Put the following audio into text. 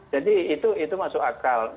jadi itu masuk akal